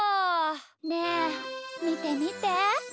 ねえみてみて！